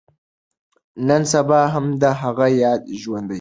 نن سبا هم د هغه ياد ژوندی دی.